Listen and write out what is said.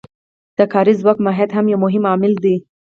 د کاري ځواک ماهیت هم یو مهم عامل دی